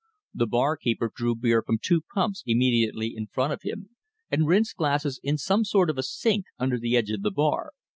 The bar keeper drew beer from two pumps immediately in front of him, and rinsed glasses in some sort of a sink under the edge of the bar.